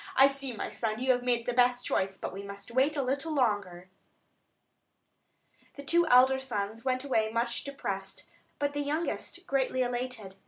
I see, my son, you have made the best choice; but we must wait a little longer." The two elder sons went away much depressed; but the youngest greatly elated.